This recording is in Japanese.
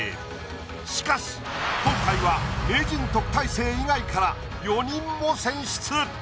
しかし今回は名人・特待生以外から４人も選出。